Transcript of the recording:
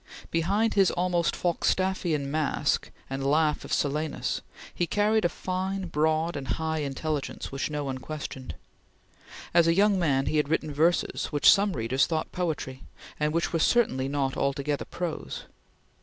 Behind his almost Falstaffian mask and laugh of Silenus, he carried a fine, broad, and high intelligence which no one questioned. As a young man he had written verses, which some readers thought poetry, and which were certainly not altogether prose.